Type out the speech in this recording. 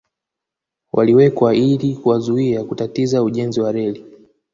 Waliwekwa ili kuwazuia kutatiza ujenzi wa reli